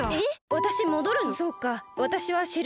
わたしもどるの？